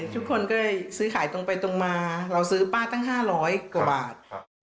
ทุกคนก็เลยซื้อขายตรงไปตรงมาเราซื้อป้าตั้ง๕๐๐กว่าบาท